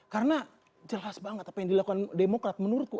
karena jelas banget apa yang dilakukan demokrat menurutku